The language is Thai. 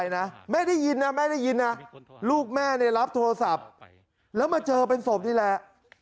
หมู่ต่อมีคนโทรหาแม่